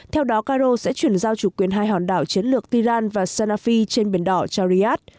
theo đó cairo sẽ chuyển giao chủ quyền hai hòn đảo chiến lược tiran và sanafi trên biển đỏ chariat